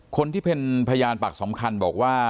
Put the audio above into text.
คนที่เป็นพยานปากสำคัญบอกว่า